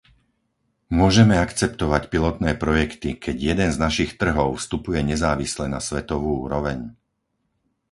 Môžeme akceptovať pilotné projekty, keď jeden z našich trhov vstupuje nezávisle na svetovú úroveň?